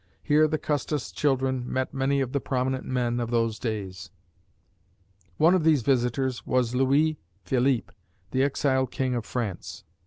Here the Custis children met many of the prominent men of those days. One of these visitors was Louis Philippe, the exiled King of France.